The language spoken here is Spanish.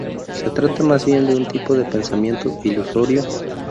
Se trata más bien de un tipo de pensamiento ilusorio.